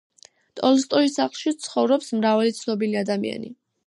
ტოლსტოის სახლში ცხოვრობს მრავალი ცნობილი ადამიანი.